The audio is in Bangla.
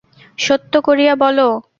সত্য করিয়া বলো।